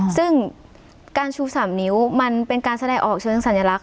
ซึ่งการชู๓นิ้วมันเป็นการแสดงออกเชิงสัญลักษ